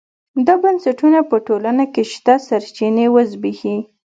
دا بنسټونه په ټولنه کې شته سرچینې وزبېښي.